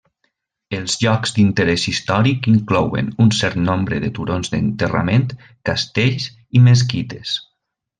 Els llocs d'interès històric inclouen un cert nombre de turons d'enterrament, castells i mesquites.